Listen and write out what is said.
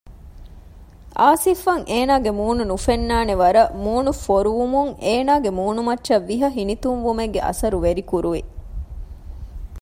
އާސިފްއަށް އޭނާގެ މޫނު ނުފެންނާނެ ވަރަށް މޫނު ފޮރުވުމުން އޭނާގެ މޫނުމައްޗަށް ވިހަ ހިނިތުންވުމެއްގެ އަސަރު ވެރިކުރުވި